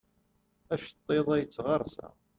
Aceṭṭiḍ-a yettɣersa.